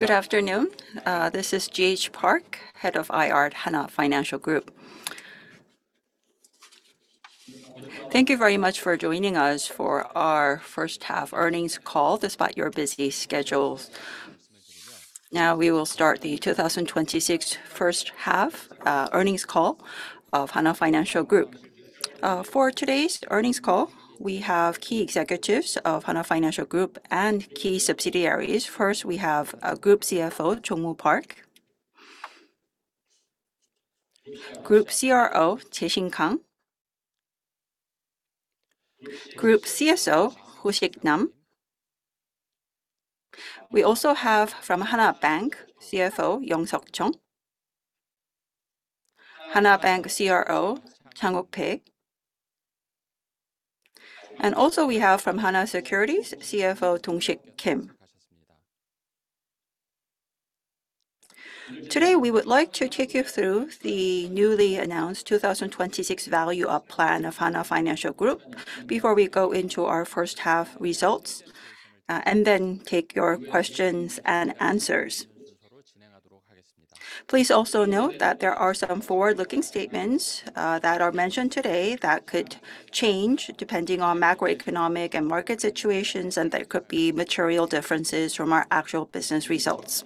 Good afternoon. This is G.H. Park, Head of IR at Hana Financial Group. Thank you very much for joining us for our first half earnings call despite your busy schedules. Now we will start the 2026 first half earnings call of Hana Financial Group. For today's earnings call, we have key executives of Hana Financial Group and key subsidiaries. First, we have Group CFO, Jong-Moo Park. Group CRO, Jae-Shin Kang. Group CSO, Ho-Sik Nam. We also have from Hana Bank, CFO, Young-Seok Jeong. Hana Bank CRO, Chang-Wook Pae. Also, we have from Hana Securities, CFO, Dong-Sik Kim. Today, we would like to take you through the newly announced 2026 Value Up Plan of Hana Financial Group before we go into our first half results, and then take your questions and answers. Please also note that there are some forward-looking statements that are mentioned today that could change depending on macroeconomic and market situations, and there could be material differences from our actual business results.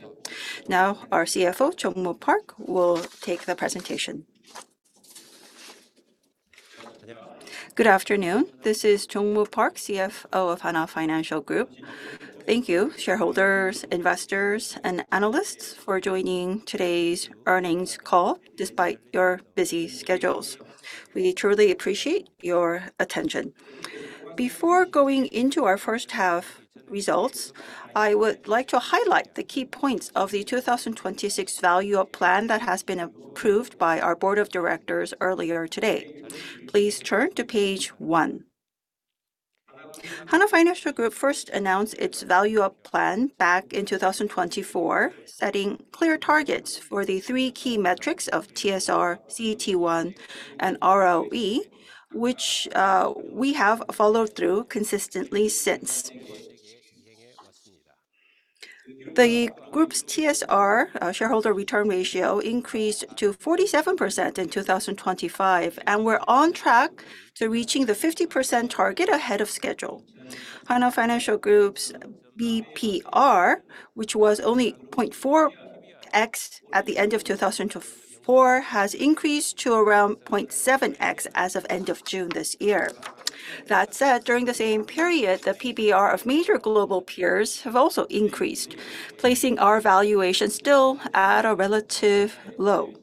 Our CFO, Jong-Moo Park, will take the presentation. Good afternoon. This is Jong-Moo Park, CFO of Hana Financial Group. Thank you, shareholders, investors, and analysts for joining today's earnings call despite your busy schedules. We truly appreciate your attention. Before going into our first half results, I would like to highlight the key points of the 2026 Value Up Plan that has been approved by our board of directors earlier today. Please turn to page one. Hana Financial Group first announced its Value Up Plan back in 2024, setting clear targets for the three key metrics of TSR, CET1, and ROE, which we have followed through consistently since. The group's TSR, shareholder return ratio, increased to 47% in 2025, and we're on track to reaching the 50% target ahead of schedule. Hana Financial Group's PBR, which was only 0.4x at the end of 2024, has increased to around 0.7x as of end of June this year. That said, during the same period, the PBR of major global peers have also increased, placing our valuation still at a relative low.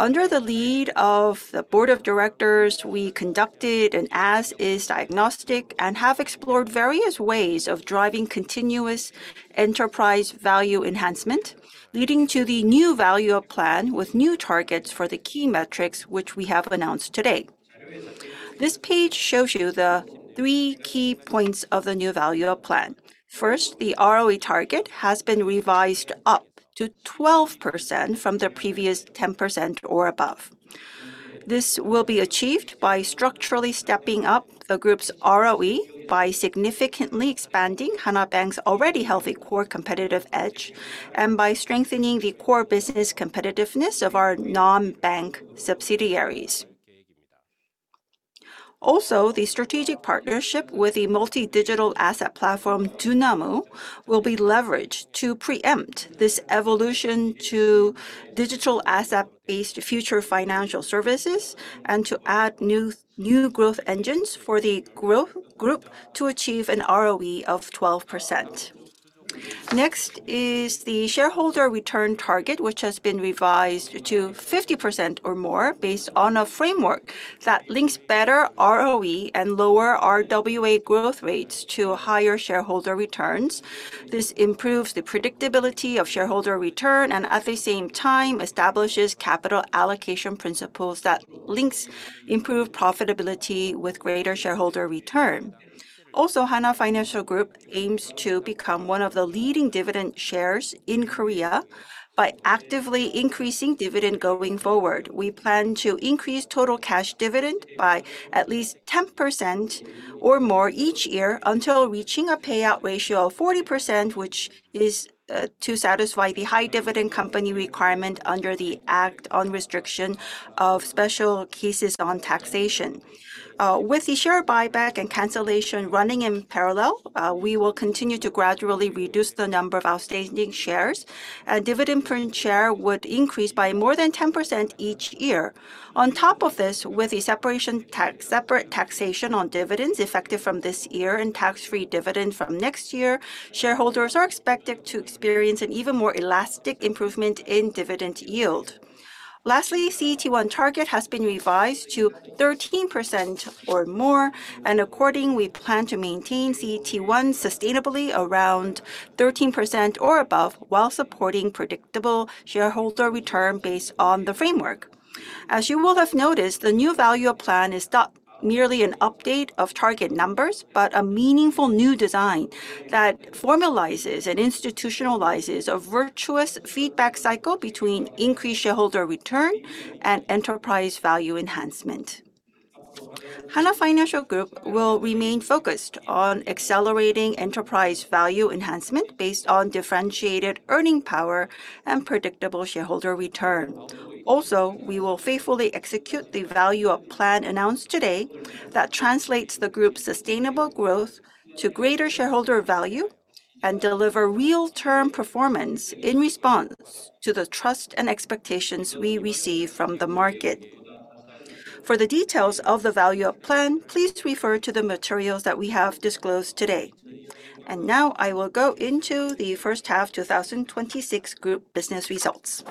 Under the lead of the board of directors, we conducted an as-is diagnostic and have explored various ways of driving continuous enterprise value enhancement, leading to the new Value Up Plan with new targets for the key metrics, which we have announced today. This page shows you the three key points of the new Value Up Plan. First, the ROE target has been revised up to 12% from the previous 10% or above. This will be achieved by structurally stepping up the group's ROE by significantly expanding Hana Bank's already healthy core competitive edge, and by strengthening the core business competitiveness of our non-bank subsidiaries. Also, the strategic partnership with the multi-digital asset platform Dunamu will be leveraged to preempt this evolution to digital asset-based future financial services, and to add new growth engines for the group to achieve an ROE of 12%. The shareholder return target, which has been revised to 50% or more based on a framework that links better ROE and lower RWA growth rates to higher shareholder returns. This improves the predictability of shareholder return, at the same time, establishes capital allocation principles that links improved profitability with greater shareholder return. Hana Financial Group aims to become one of the leading dividend sharers in Korea by actively increasing dividend going forward. We plan to increase total cash dividend by at least 10% or more each year until reaching a payout ratio of 40%, which is to satisfy the high dividend company requirement under the Act on Restriction on Special Cases concerning Taxation. With the share buyback and cancellation running in parallel, we will continue to gradually reduce the number of outstanding shares, and dividend per share would increase by more than 10% each year. On top of this, with the separate taxation on dividends effective from this year and tax-free dividend from next year, shareholders are expected to experience an even more elastic improvement in dividend yield. Lastly, CET1 target has been revised to 13% or more, and accordingly, we plan to maintain CET1 sustainably around 13% or above while supporting predictable shareholder return based on the framework. As you will have noticed, the new Value Up Plan is not merely an update of target numbers, but a meaningful new design that formalizes and institutionalizes a virtuous feedback cycle between increased shareholder return and enterprise value enhancement. Hana Financial Group will remain focused on accelerating enterprise value enhancement based on differentiated earning power and predictable shareholder return. We will faithfully execute the Value Up Plan announced today that translates the group's sustainable growth to greater shareholder value and deliver real term performance in response to the trust and expectations we receive from the market. For the details of the Value Up Plan, please refer to the materials that we have disclosed today. Now I will go into the first half 2026 group business results.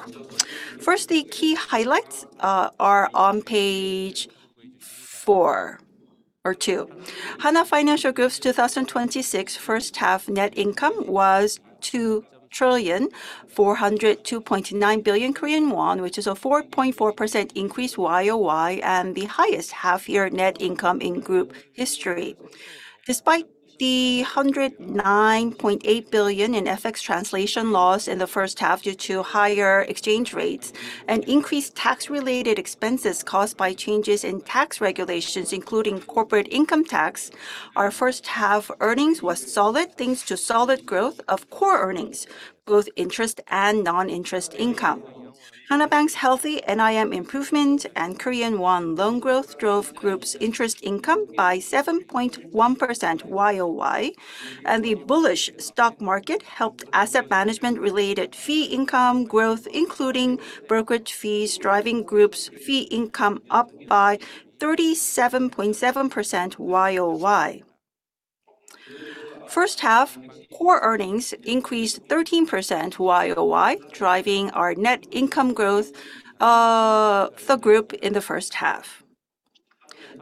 First, the key highlights are on page four or two. Hana Financial Group's 2026 first half net income was 2 trillion, 402.9 billion, which is a 4.4% increase YoY, and the highest half-year net income in group history. Despite the 109.8 billion in FX translation loss in the first half due to higher exchange rates and increased tax-related expenses caused by changes in tax regulations, including corporate income tax, our first-half earnings was solid, thanks to solid growth of core earnings, both interest and non-interest income. Hana Bank's healthy NIM improvement and Korean won loan growth drove group's interest income by 7.1% YoY, and the bullish stock market helped asset management-related fee income growth, including brokerage fees, driving group's fee income up by 37.7% YoY. First half core earnings increased 13% YoY, driving our net income growth of the group in the first half.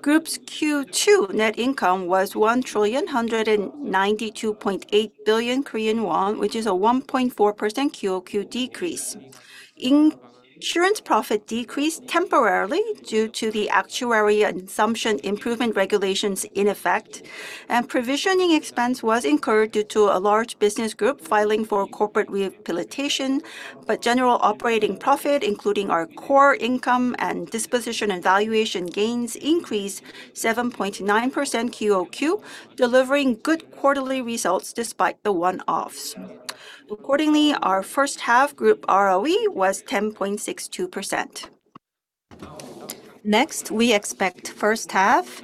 Group's Q2 net income was 1 trillion, 192.8 billion, which is a 1.4% QoQ decrease. Insurance profit decreased temporarily due to the actuary assumption improvement regulations in effect, and provisioning expense was incurred due to a large business group filing for corporate rehabilitation. General operating profit, including our core income and disposition and valuation gains, increased 7.9% QoQ, delivering good quarterly results despite the one-offs. Accordingly, our first half group ROE was 10.62%. We expect first half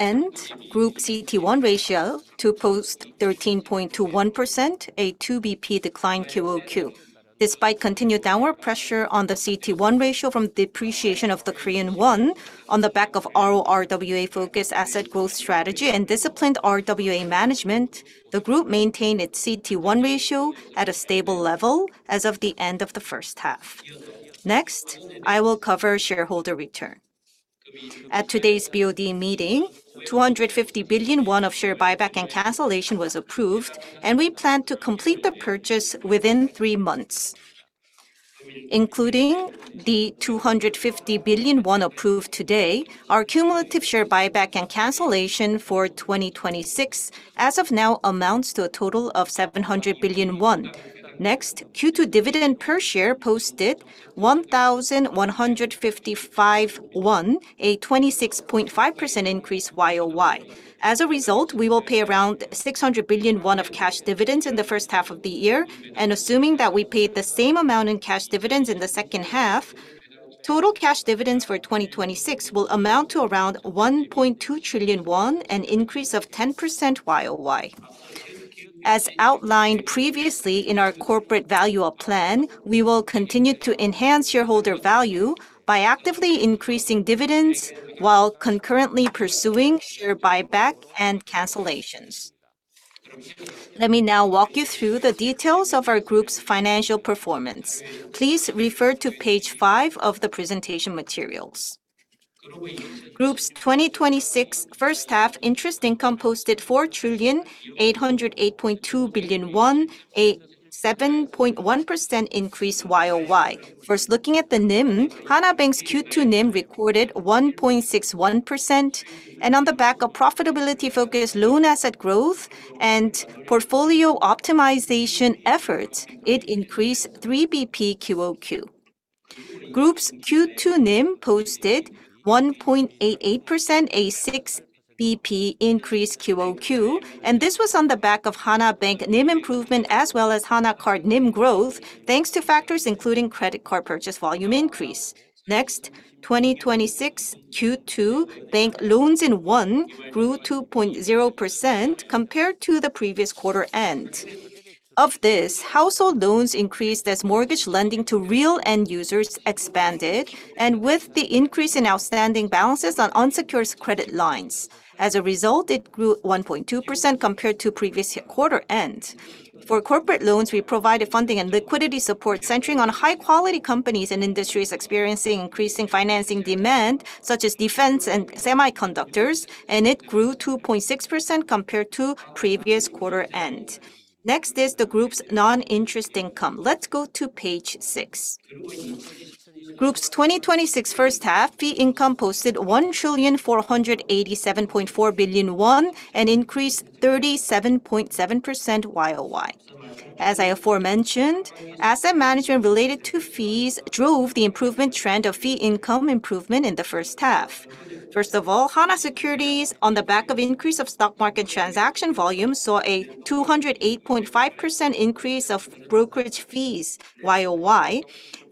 end group CET1 ratio to post 13.21%, a two BP decline QoQ. Despite continued downward pressure on the CET1 ratio from depreciation of the Korean won on the back of RORWA focus asset growth strategy and disciplined RWA management, the group maintained its CET1 ratio at a stable level as of the end of the first half. I will cover shareholder return. At today's BOD meeting, 250 billion won of share buyback and cancellation was approved, and we plan to complete the purchase within three months. Including the 250 billion won approved today, our cumulative share buyback and cancellation for 2026, as of now, amounts to a total of 700 billion won. Next, Q2 dividend per share posted 1,155 won, a 26.5% increase YoY. As a result, we will pay around 600 billion won of cash dividends in the first half of the year, and assuming that we paid the same amount in cash dividends in the second half, total cash dividends for 2026 will amount to around 1.2 trillion won, an increase of 10% YoY. As outlined previously in our corporate Value Up Plan, we will continue to enhance shareholder value by actively increasing dividends while concurrently pursuing share buyback and cancellations. Let me now walk you through the details of our group's financial performance. Please refer to page five of the presentation materials. Group's 2026 first half interest income posted 4,808.2 billion won, a 7.1% increase YoY. First, looking at the NIM, Hana Bank's Q2 NIM recorded 1.61%, and on the back of profitability-focused loan asset growth and portfolio optimization efforts, it increased three BP QoQ. Group's Q2 NIM posted 1.88%, a six BP increase QoQ, and this was on the back of Hana Bank NIM improvement as well as Hana Card NIM growth, thanks to factors including credit card purchase volume increase. Next, 2026 Q2 bank loans in KRW grew 2.0% compared to the previous quarter end. Of this, household loans increased as mortgage lending to real end users expanded, and with the increase in outstanding balances on unsecured credit lines. As a result, it grew 1.2% compared to previous quarter end. For corporate loans, we provided funding and liquidity support centering on high-quality companies and industries experiencing increasing financing demand, such as defense and semiconductors, and it grew 2.6% compared to previous quarter end. Next is the group's non-interest income. Let's go to page six. Group's 2026 first half fee income posted 1,487.4 billion won, an increase 37.7% YoY. As I aforementioned, asset management related to fees drove the improvement trend of fee income improvement in the first half. First of all, Hana Securities, on the back of increase of stock market transaction volume, saw a 208.5% increase of brokerage fees YoY,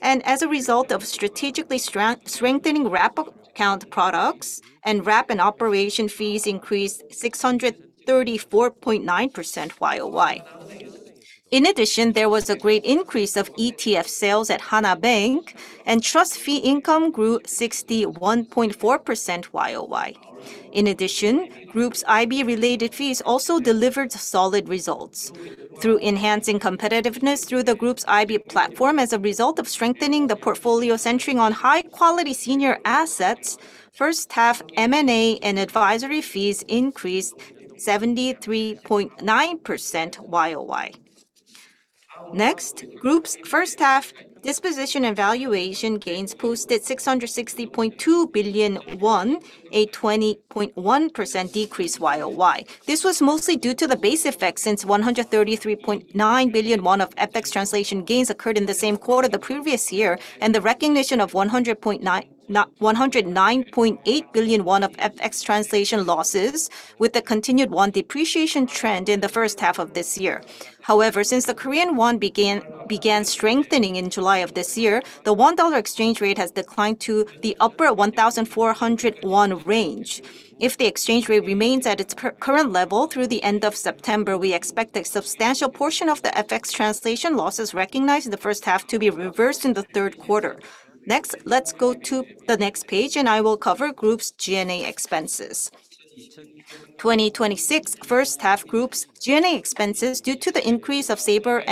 and as a result of strategically strengthening wrap account products and wrap and operation fees increased 634.9% YoY. In addition, there was a great increase of ETF sales at Hana Bank, and trust fee income grew 61.4% YoY. In addition, group's IB-related fees also delivered solid results through enhancing competitiveness through the group's IB platform as a result of strengthening the portfolio centering on high-quality senior assets, first half M&A and advisory fees increased 73.9% YoY. Next, group's first half disposition and valuation gains posted 660.2 billion won, a 20.1% decrease YoY. This was mostly due to the base effect, since 133.9 billion won of FX translation gains occurred in the same quarter the previous year, and the recognition of 109.8 billion won of FX translation losses with the continued KRW depreciation trend in the first half of this year. However, since the Korean won began strengthening in July of this year, the $1 exchange rate has declined to the upper 1,400 won range. If the exchange rate remains at its current level through the end of September, we expect a substantial portion of the FX translation losses recognized in the first half to be reversed in the third quarter. Let's go to the next page and I will cover group's G&A expenses. 2026 first half group's G&A expenses due to the increase of salary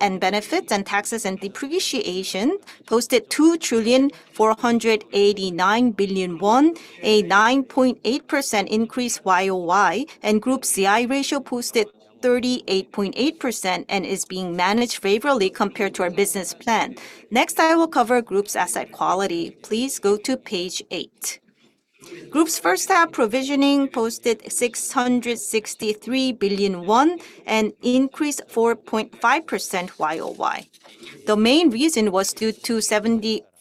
and benefits and taxes and depreciation, posted 2,489 billion won, a 9.8% increase YoY, and group CI ratio posted 38.8% and is being managed favorably compared to our business plan. I will cover group's asset quality. Please go to page eight. Group's first half provisioning posted 663 billion won, an increase 4.5% YoY. The main reason was due to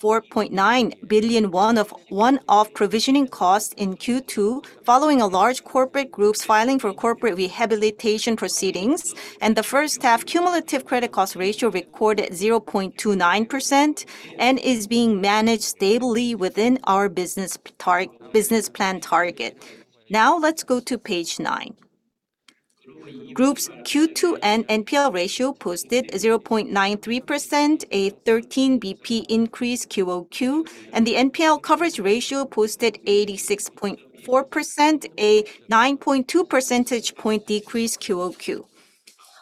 74.9 billion won of one-off provisioning costs in Q2, following a large corporate group's filing for corporate rehabilitation proceedings, and the first half cumulative credit cost ratio recorded 0.29% and is being managed stably within our business plan target. Let's go to page nine. Group's Q2 end NPL ratio posted 0.93%, a 13 basis points increase QoQ, and the NPL coverage ratio posted 86.4%, a 9.2 percentage point decrease QoQ.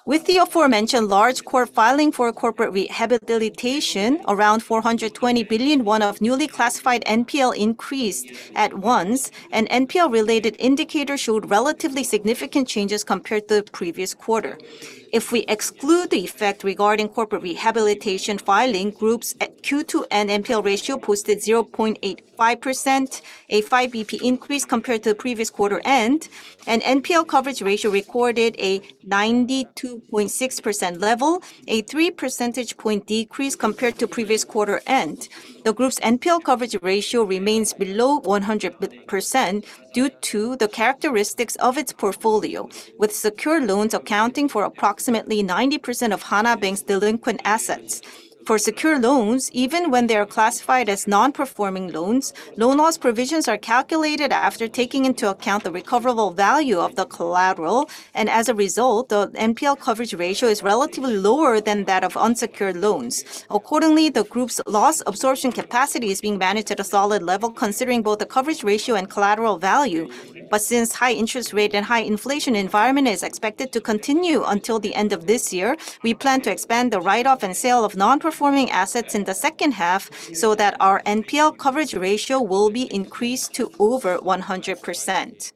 With the aforementioned large corp filing for corporate rehabilitation, around 420 billion won of newly classified NPL increased at once, and NPL-related indicators showed relatively significant changes compared to the previous quarter. If we exclude the effect regarding corporate rehabilitation filing, group's Q2 end NPL ratio posted 0.85%, a 5 basis points increase compared to the previous quarter end, and NPL coverage ratio recorded a 92.6% level, a three-percentage point decrease compared to previous quarter end. The group's NPL coverage ratio remains below 100% due to the characteristics of its portfolio, with secure loans accounting for approximately 90% of Hana Bank's delinquent assets. For secure loans, even when they are classified as non-performing loans, loan loss provisions are calculated after taking into account the recoverable value of the collateral, and as a result, the NPL coverage ratio is relatively lower than that of unsecured loans. Accordingly, the group's loss absorption capacity is being managed at a solid level, considering both the coverage ratio and collateral value. Since high interest rate and high inflation environment is expected to continue until the end of this year, we plan to expand the write-off and sale of non-performing assets in the second half so that our NPL coverage ratio will be increased to over 100%.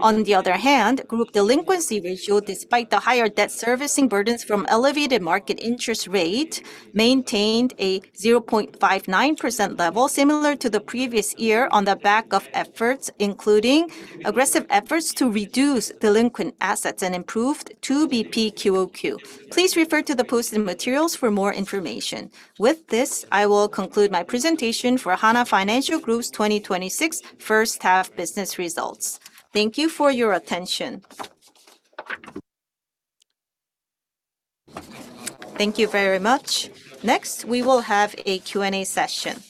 On the other hand, group delinquency ratio, despite the higher debt servicing burdens from elevated market interest rate, maintained a 0.59% level similar to the previous year on the back of efforts including aggressive efforts to reduce delinquent assets and improved two basis points quarter-over-quarter. Please refer to the posted materials for more information. With this, I will conclude my presentation for Hana Financial Group's 2026 first half business results. Thank you for your attention. Thank you very much. We will have a Q&A session.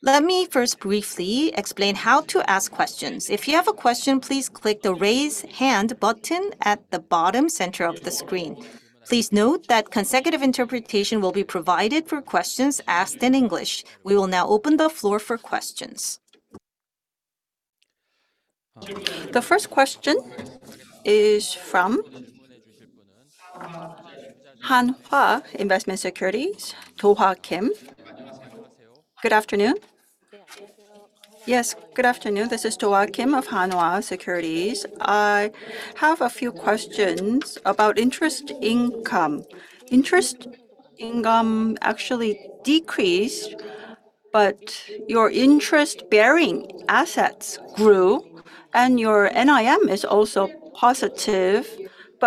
Let me first briefly explain how to ask questions. If you have a question, please click the raise hand button at the bottom center of the screen. Please note that consecutive interpretation will be provided for questions asked in English. We will now open the floor for questions. The first question is from Hanwha Investment & Securities, Do-Ha Kim. Good afternoon. Yes, good afternoon. This is Do-Ha Kim of Hanwha Securities. I have a few questions about interest income. Interest income actually decreased, your interest-bearing assets grew and your NIM is also positive,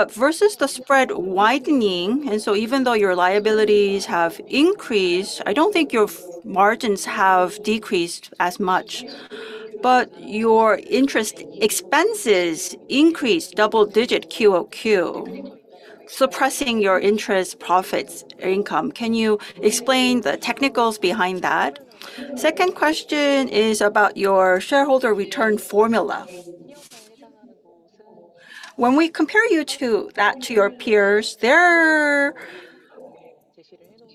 versus the spread widening, even though your liabilities have increased, I don't think your margins have decreased as much. Your interest expenses increased double digit QoQ. Suppressing your interest profits income. Can you explain the technicals behind that? Second question is about your shareholder return formula. When we compare that to your peers, their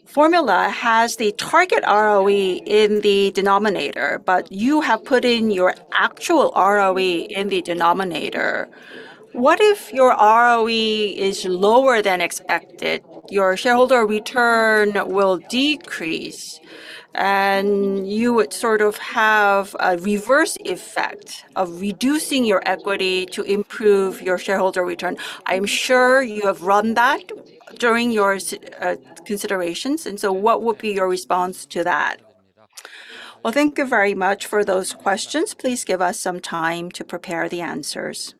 formula has the target ROE in the denominator, you have put in your actual ROE in the denominator. What if your ROE is lower than expected? Your shareholder return will decrease, and you would sort of have a reverse effect of reducing your equity to improve your shareholder return. I'm sure you have run that during your considerations, what would be your response to that? Well, thank you very much for those questions. Please give us some time to prepare the answers.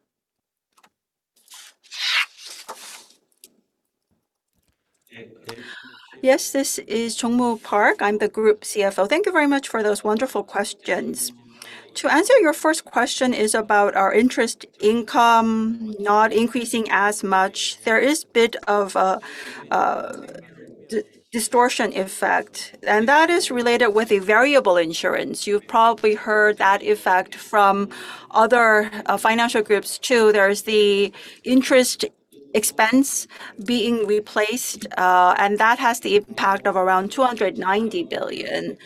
Yes, this is Jong-Moo Park. I'm the Group CFO. Thank you very much for those wonderful questions. To answer your first question is about our interest income not increasing as much. There is a bit of a distortion effect, that is related with a variable insurance. You've probably heard that effect from other financial groups, too. There's the interest expense being replaced, that has the impact of around 290 billion.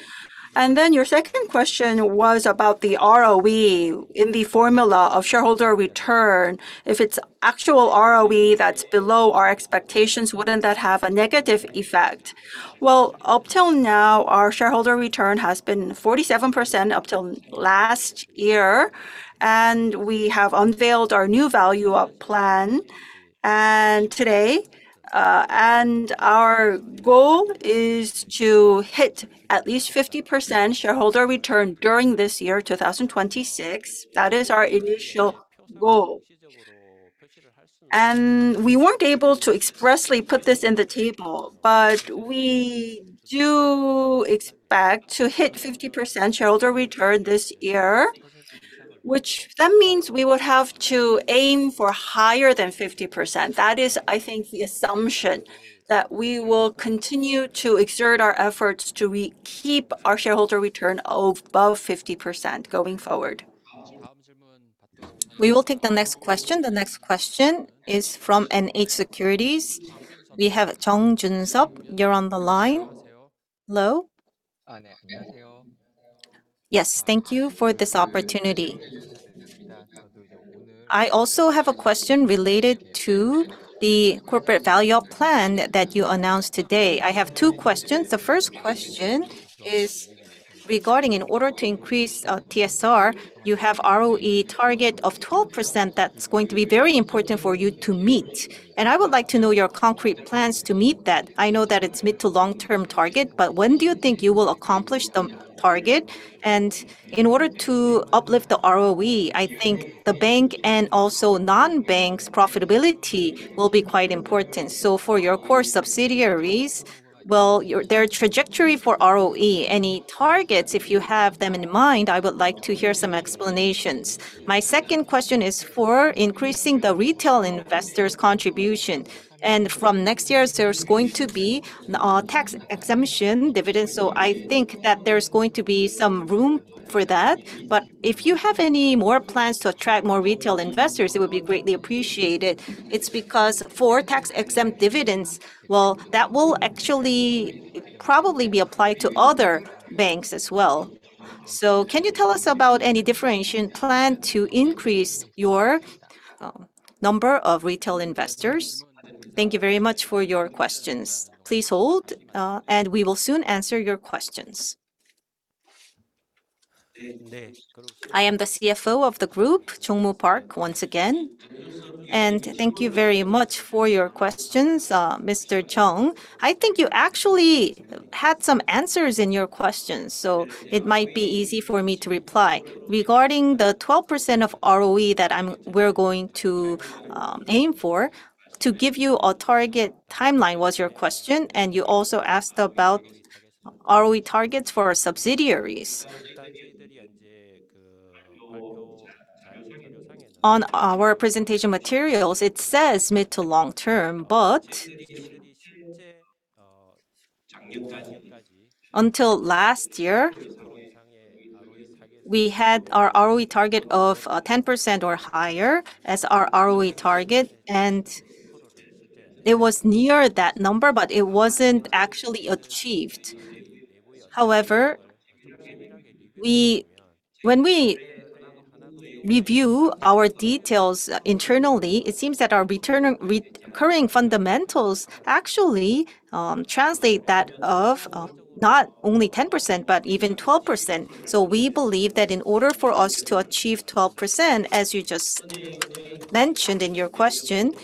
Your second question was about the ROE in the formula of shareholder return. If it's actual ROE that's below our expectations, wouldn't that have a negative effect? Well, up till now, our shareholder return has been 47% up till last year, we have unveiled our new Value Up Plan today. Our goal is to hit at least 50% shareholder return during this year, 2026. That is our initial goal. We weren't able to expressly put this in the table, but we do expect to hit 50% shareholder return this year, which that means we would have to aim for higher than 50%. That is, I think, the assumption, that we will continue to exert our efforts to keep our shareholder return above 50% going forward. We will take the next question. The next question is from NH Securities. We have Chung Jun Seong. You're on the line. Hello? Yes, thank you for this opportunity. I also have a question related to the corporate Value Up Plan that you announced today. I have two questions. The first question is regarding in order to increase TSR, you have ROE target of 12%, that's going to be very important for you to meet, and I would like to know your concrete plans to meet that. I know that it's mid to long-term target, but when do you think you will accomplish the target? In order to uplift the ROE, I think the bank and also non-banks profitability will be quite important. For your core subsidiaries, their trajectory for ROE, any targets, if you have them in mind, I would like to hear some explanations. My second question is for increasing the retail investors' contribution. From next year, there's going to be tax exemption dividends, I think that there's going to be some room for that. If you have any more plans to attract more retail investors, it would be greatly appreciated. It's because for tax-exempt dividends, well, that will actually probably be applied to other banks as well. Can you tell us about any differentiation plan to increase your number of retail investors? Thank you very much for your questions. Please hold, and we will soon answer your questions. I am the CFO of the group, Jong-Moo Park, once again. Thank you very much for your questions, Mr. Chung. I think you actually had some answers in your questions, so it might be easy for me to reply. Regarding the 12% of ROE that we're going to aim for, to give you a target timeline was your question, and you also asked about ROE targets for our subsidiaries. On our presentation materials, it says mid to long term, but until last year, we had our ROE target of 10% or higher as our ROE target, and it was near that number, but it wasn't actually achieved. However, when we review our details internally, it seems that our recurring fundamentals actually translate that of not only 10%, but even 12%. We believe that in order for us to achieve 12%, as you just mentioned in your question,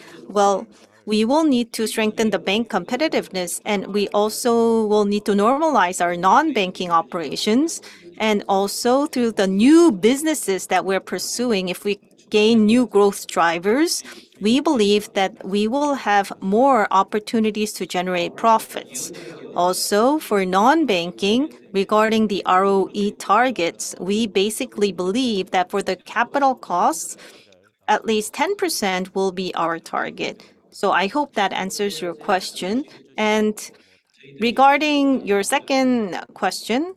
we will need to strengthen the Bank competitiveness, and we also will need to normalize our non-banking operations, and also through the new businesses that we're pursuing, if we gain new growth drivers, we believe that we will have more opportunities to generate profits. Also, for non-banking, regarding the ROE targets, we basically believe that for the capital costs, at least 10% will be our target. I hope that answers your question. Regarding your second question,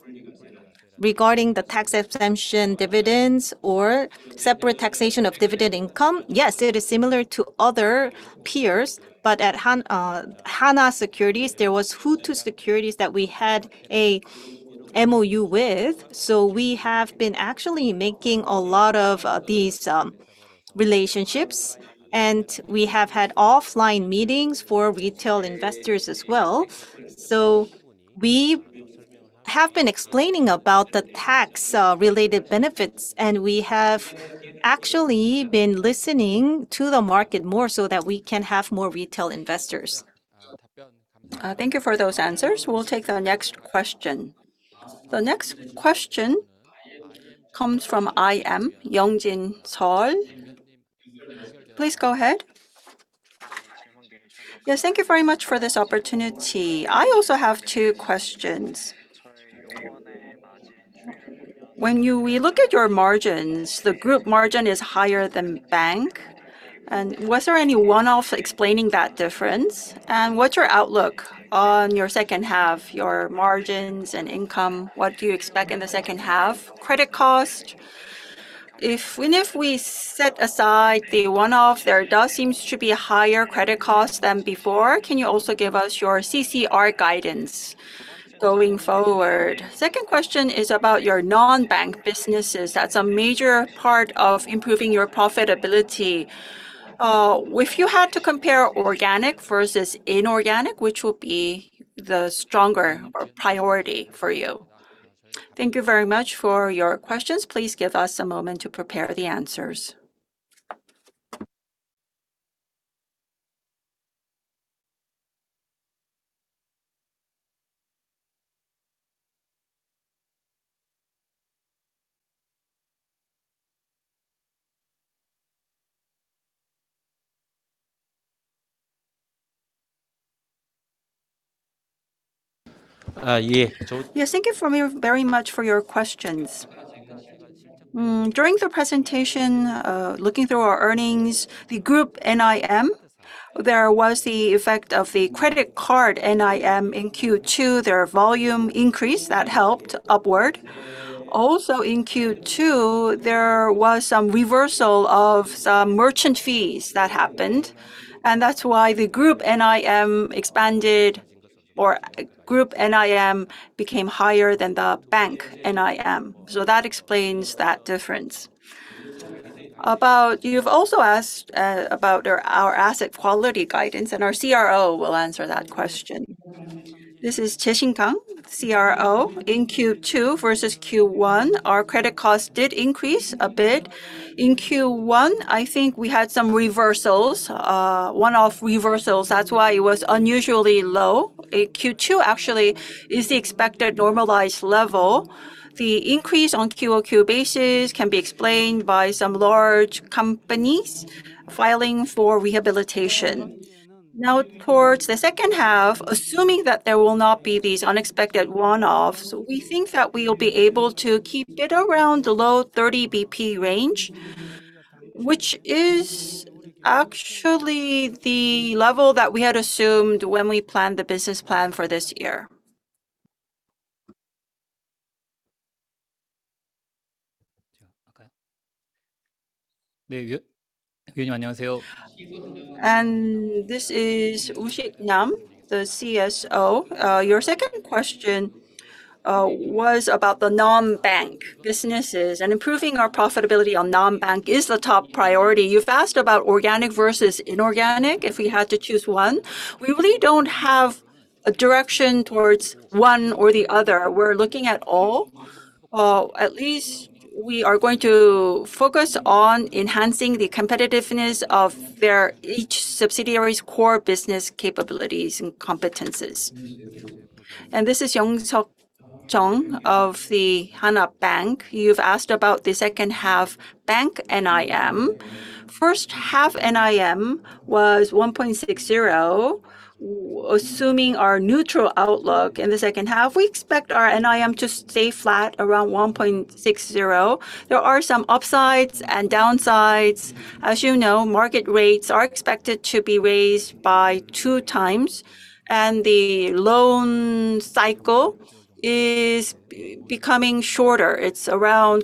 regarding the tax exemption dividends or separate taxation of dividend income, yes, it is similar to other peers. At Hana Securities, there was Woori Securities that we had a MOU with, we have been actually making a lot of these relationships, and we have had offline meetings for retail investors as well. We have been explaining about the tax-related benefits, and we have actually been listening to the market more so that we can have more retail investors. Thank you for those answers. We'll take the next question. The next question comes from iM, Yong-Jin Seol. Thank you very much for this opportunity. I also have two questions. When we look at your margins, the group margin is higher than Bank. Was there any one-off explaining that difference? What's your outlook on your second half, your margins and income, what do you expect in the second half? Credit cost, even if we set aside the one-off, there does seem to be a higher credit cost than before. Can you also give us your CCR guidance going forward? Second question is about your non-Bank businesses. That's a major part of improving your profitability. If you had to compare organic versus inorganic, which will be the stronger or priority for you? Thank you very much for your questions. Please give us a moment to prepare the answers. Yes, thank you very much for your questions. During the presentation, looking through our earnings, the group NIM, there was the effect of the credit card NIM in Q2, their volume increased. That helped upward. That's why the group NIM expanded, or group NIM became higher than the bank NIM. That explains that difference. You've also asked about our asset quality guidance. Our CRO will answer that question. This is Jae-Shin Kang, CRO. In Q2 versus Q1, our credit cost did increase a bit. In Q1, I think we had some reversals, one-off reversals. That's why it was unusually low. Q2 actually is the expected normalized level. The increase on QoQ basis can be explained by some large companies filing for rehabilitation. Towards the second half, assuming that there will not be these unexpected one-offs, we think that we will be able to keep it around the low 30 basis points range, which is actually the level that we had assumed when we planned the business plan for this year. This is Ho-Sik Nam, the CSO. Your second question was about the non-bank businesses. Improving our profitability on non-bank is the top priority. You've asked about organic versus inorganic, if we had to choose one. We really don't have a direction towards one or the other. We're looking at all, or at least we are going to focus on enhancing the competitiveness of their each subsidiary's core business capabilities and competences. This is Young-Seok Jeong of the Hana Bank. You've asked about the second half bank NIM. First half NIM was 1.60%. Assuming our neutral outlook in the second half, we expect our NIM to stay flat around 1.60%. There are some upsides and downsides. As you know, market rates are expected to be raised by two times. The loan cycle is becoming shorter. It's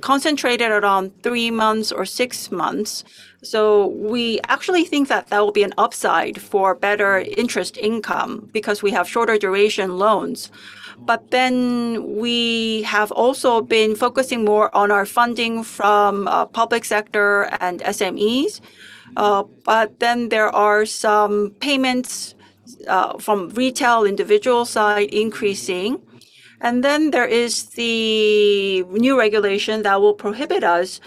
concentrated around three months or six months. We actually think that that will be an upside for better interest income because we have shorter duration loans. We have also been focusing more on our funding from public sector and SMEs. There are some payments from retail individual side increasing. There is the new regulation that will prohibit us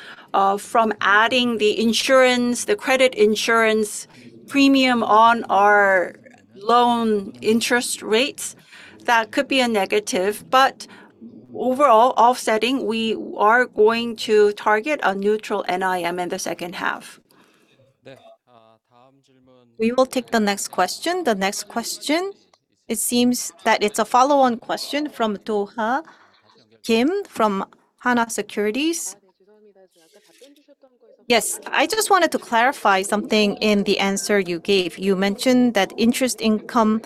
from adding the credit insurance premium on our loan interest rates. That could be a negative, overall offsetting, we are going to target a neutral NIM in the second half. We will take the next question. The next question, it seems that it's a follow-on question from Do-Ha Kim from Hanwha Securities. I just wanted to clarify something in the answer you gave. You mentioned that interest income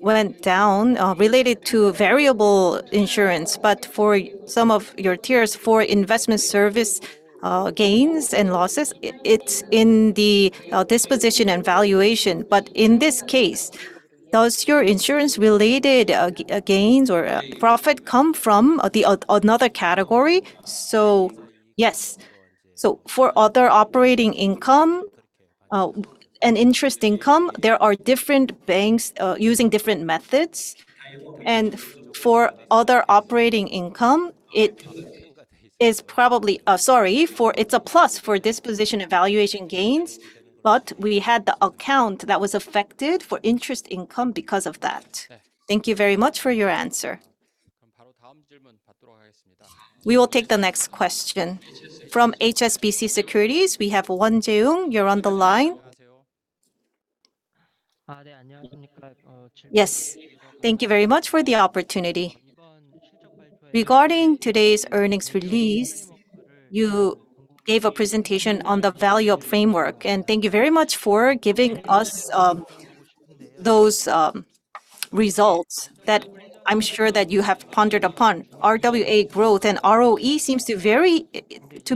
went down related to variable insurance, for some of your tiers for investment service gains and losses, it's in the disposition and valuation. In this case, does your insurance-related gains or profit come from another category? Yes. For other operating income and interest income, there are different banks using different methods. For other operating income, it's a plus for disposition valuation gains, we had the account that was affected for interest income because of that. Thank you very much for your answer. We will take the next question. From HSBC Securities, we have Won Jung. You're on the line. Thank you very much for the opportunity. Regarding today's earnings release, you gave a presentation on the value of framework, thank you very much for giving us those results that I'm sure that you have pondered upon. RWA growth and ROE seems to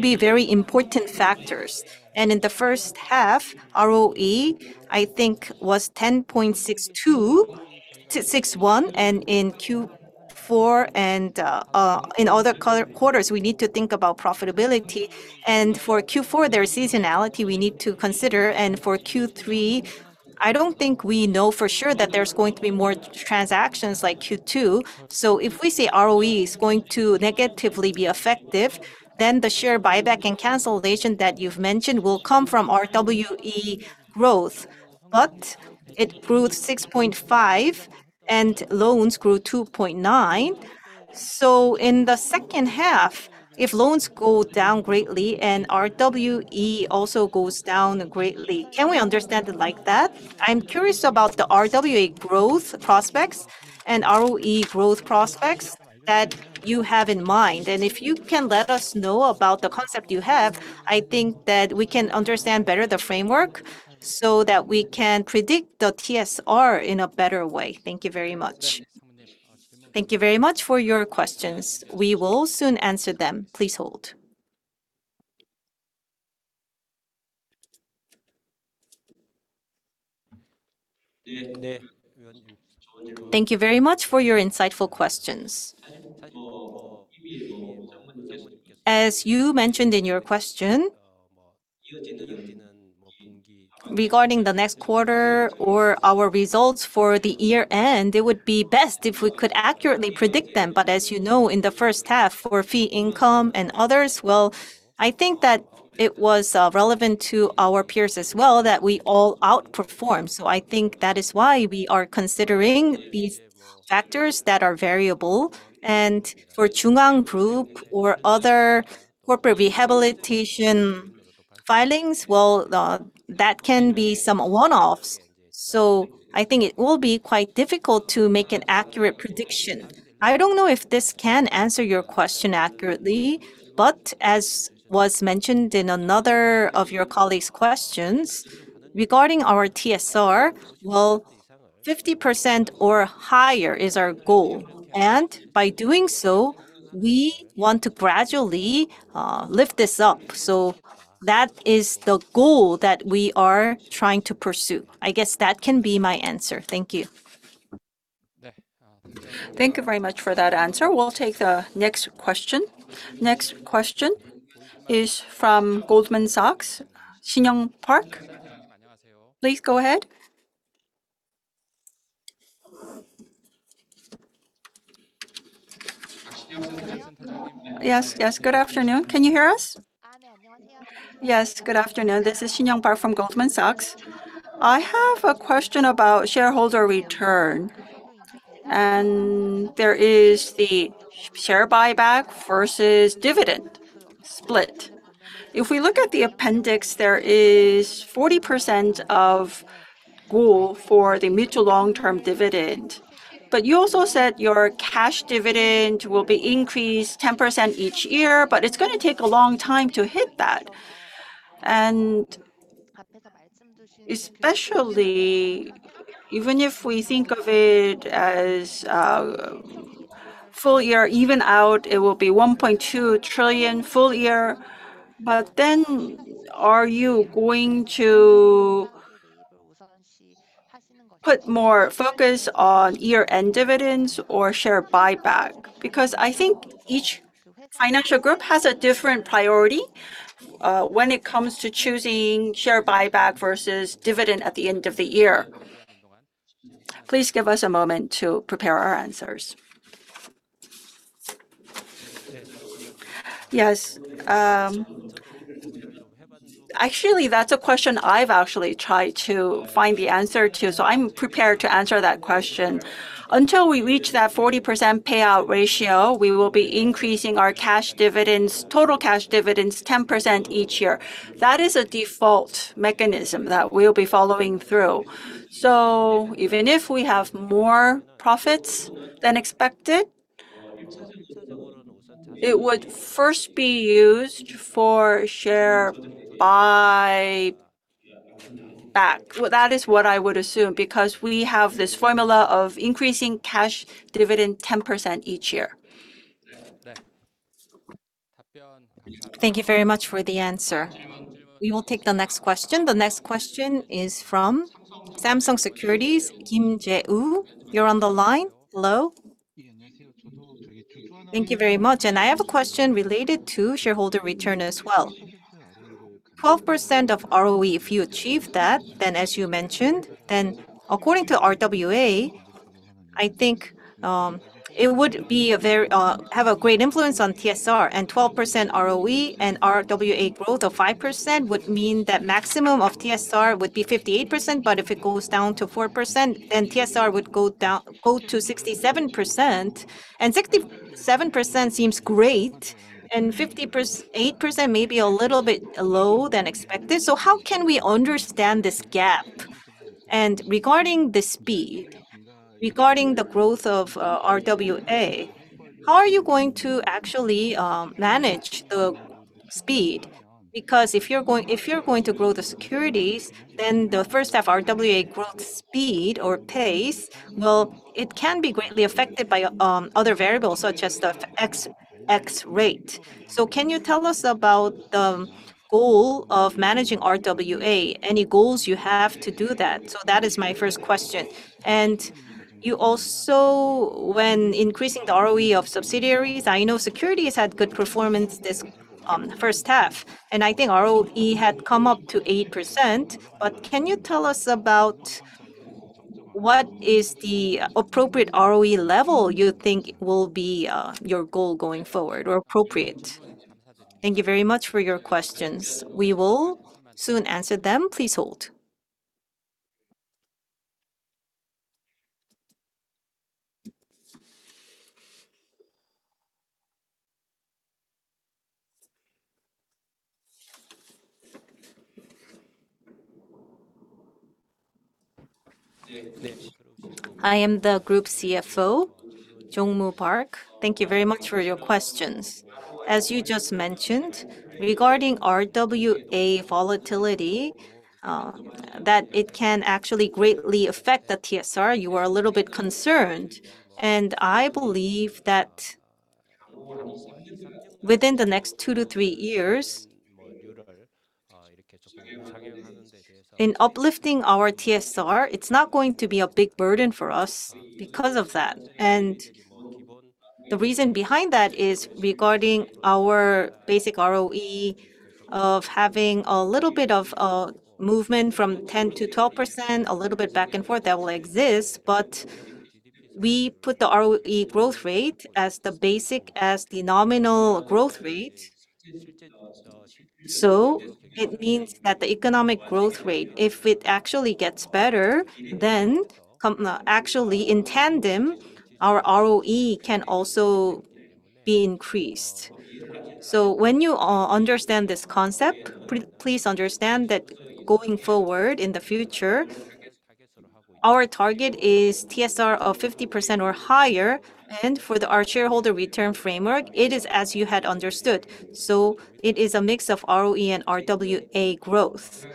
be very important factors, in the first half, ROE, I think was 10.61, in Q4 and in other quarters, we need to think about profitability. For Q4, there is seasonality we need to consider, for Q3, I don't think we know for sure that there's going to be more transactions like Q2. If we say ROE is going to negatively be affected, the share buyback and cancellation that you've mentioned will come from RWA growth. It grew to 6.5 and loans grew 2.9. In the second half, if loans go down greatly and RWA also goes down greatly, can we understand it like that? I'm curious about the RWA growth prospects and ROE growth prospects that you have in mind. If you can let us know about the concept you have, I think that we can understand better the framework so that we can predict the TSR in a better way. Thank you very much. Thank you very much for your questions. We will soon answer them. Please hold. Thank you very much for your insightful questions. As you mentioned in your question, regarding the next quarter or our results for the year-end, it would be best if we could accurately predict them. As you know, in the first half, for fee income and others, well, I think that it was relevant to our peers as well that we all outperformed. I think that is why we are considering these factors that are variable. For JoongAng Group or other corporate rehabilitation filings, well, that can be some one-offs. I think it will be quite difficult to make an accurate prediction. I don't know if this can answer your question accurately, as was mentioned in another of your colleague's questions, regarding our TSR, well, 50% or higher is our goal. By doing so, we want to gradually lift this up. That is the goal that we are trying to pursue. I guess that can be my answer. Thank you. Thank you very much for that answer. We'll take the next question. Next question is from Goldman Sachs, Sinyoung Park. Please go ahead. Yes. Good afternoon. Can you hear us? Yes, good afternoon. This is Sinyoung Park from Goldman Sachs. I have a question about shareholder return. There is the share buyback versus dividend split. If we look at the appendix, there is 40% of goal for the mutual long-term dividend. You also said your cash dividend will be increased 10% each year, but it is going to take a long time to hit that. Especially, even if we think of it as a full year even out, it will be 1.2 trillion full year. Are you going to put more focus on year-end dividends or share buyback? I think each financial group has a different priority when it comes to choosing share buyback versus dividend at the end of the year. Please give us a moment to prepare our answers. Yes. Actually, that is a question I have actually tried to find the answer to, so I am prepared to answer that question. Until we reach that 40% payout ratio, we will be increasing our total cash dividends 10% each year. That is a default mechanism that we will be following through. Even if we have more profits than expected It would first be used for share buyback. That is what I would assume, because we have this formula of increasing cash dividend 10% each year. Thank you very much for the answer. We will take the next question. The next question is from Samsung Securities, Kim Jae Woo. You are on the line. Hello. Thank you very much. I have a question related to shareholder return as well. 12% of ROE, if you achieve that, as you mentioned, according to RWA, I think it would have a great influence on TSR. 12% ROE and RWA growth of 5% would mean that maximum of TSR would be 58%. If it goes down to 4%, TSR would go to 67%. 67% seems great, and 58% may be a little bit low than expected. How can we understand this gap? Regarding the speed, regarding the growth of RWA, how are you going to actually manage the speed? If you're going to grow the securities, then the first half RWA growth speed or pace, well, it can be greatly affected by other variables such as the FX rate. Can you tell us about the goal of managing RWA? Any goals you have to do that? That is my first question. You also, when increasing the ROE of subsidiaries, I know securities had good performance this first half, and I think ROE had come up to 8%, but can you tell us about what is the appropriate ROE level you think will be your goal going forward, or appropriate? Thank you very much for your questions. We will soon answer them. Please hold. I am the Group CFO, Jong-Moo Park. Thank you very much for your questions. As you just mentioned, regarding RWA volatility, that it can actually greatly affect the TSR, you are a little bit concerned. I believe that within the next two to three years, in uplifting our TSR, it's not going to be a big burden for us because of that. The reason behind that is regarding our basic ROE of having a little bit of a movement from 10%-12%, a little bit back and forth that will exist, but we put the ROE growth rate as the basic as the nominal growth rate. It means that the economic growth rate, if it actually gets better, then actually in tandem, our ROE can also be increased. When you understand this concept, please understand that going forward in the future, our target is TSR of 50% or higher. For our shareholder return framework, it is as you had understood. It is a mix of ROE and RWA growth.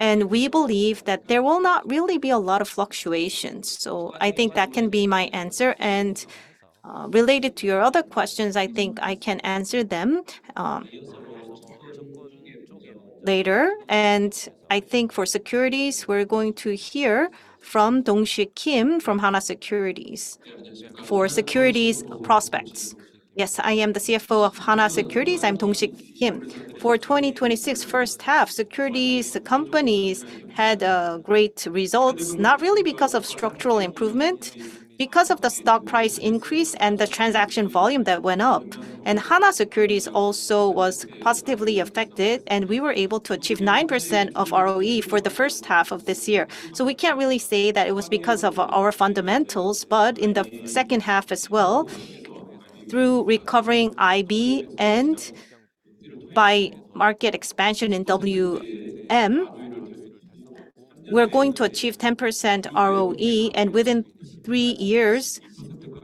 We believe that there will not really be a lot of fluctuations, I think that can be my answer. Related to your other questions, I think I can answer them later. I think for securities, we're going to hear from Dong-Sik Kim from Hana Securities for securities prospects. Yes, I am the CFO of Hana Securities. I'm Dong-Sik Kim. For 2026 first half, securities companies had great results, not really because of structural improvement, because of the stock price increase and the transaction volume that went up. Hana Securities also was positively affected, we were able to achieve 9% ROE for the first half of this year. We can't really say that it was because of our fundamentals, but in the second half as well, through recovering IB and by market expansion in WM, we're going to achieve 10% ROE. Within three years,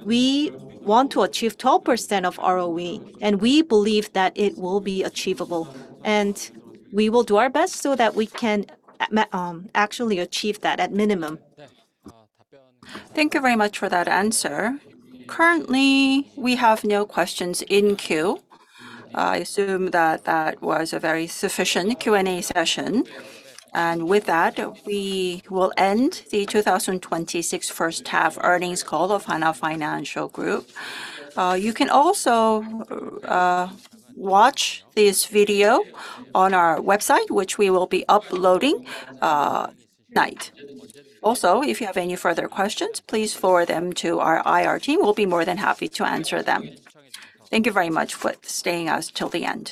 we want to achieve 12% ROE. We believe that it will be achievable. We will do our best that we can actually achieve that at minimum. Thank you very much for that answer. Currently, we have no questions in queue. I assume that that was a very sufficient Q&A session. With that, we will end the 2026 first half earnings call of Hana Financial Group. You can also watch this video on our website, which we will be uploading tonight. If you have any further questions, please forward them to our IR team. We'll be more than happy to answer them. Thank you very much for staying with us till the end.